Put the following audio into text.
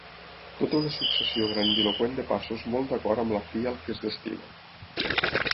Tota una successió grandiloqüent de passos molt d'acord amb la fi al que es destina.